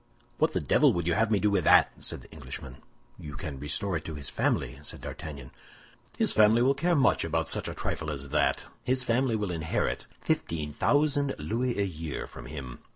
"What the devil would you have me do with that?" said the Englishman. "You can restore it to his family," said D'Artagnan. "His family will care much about such a trifle as that! His family will inherit fifteen thousand louis a year from him.